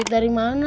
duit dari mana